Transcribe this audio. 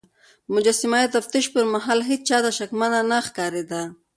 مجسمه د تفتيش پر مهال هيڅ چا ته شکمنه نه ښکارېده.